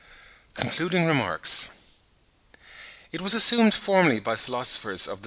CONCLUDING REMARKS. It was assumed formerly by philosophers of the derivative (41.